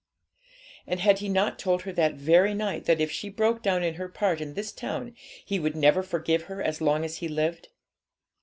And had he not told her that very night, that if she broke down in her part in this town, he would never forgive her as long as he lived?